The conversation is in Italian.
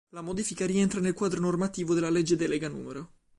La modifica rientra nel quadro normativo della legge delega n.